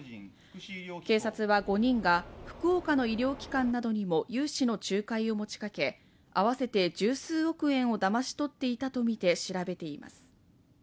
警察は５人が福岡の医療機関などにも融資の仲介を持ちかけ合わせて十数億円をだまし取っていたとみて調べています。